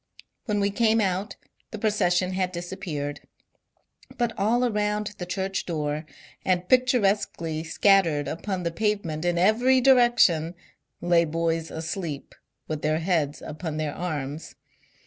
When we came out the procession had disappeared, but all around the church door, and pictur esquely scattered upon the pavement in every direction, lay boys asleep, with their heads upon their arms.